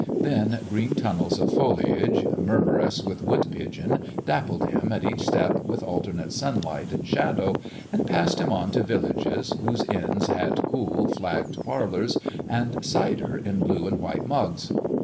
Then green tunnels of foliage, murmurous with wood pigeon, dappled him at each step with alternate sunlight and shadow, and passed him on to villages whose inns had cool, flagged parlours, and cider in blue and white mugs.